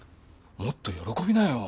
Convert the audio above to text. もっと喜びなよ。